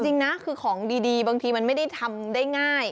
จริงนะคือของดีบางทีมันไม่ได้ทำได้ง่าย